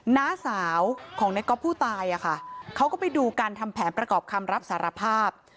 น้าสาวของในก๊อฟผู้ตายอ่ะค่ะเขาก็ไปดูการทำแผนประกอบคำรับสารภาพ